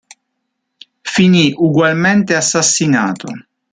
Finì ugualmente assassinato.